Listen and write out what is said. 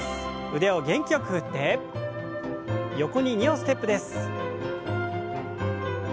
腕を元気よく振って横に２歩ステップです。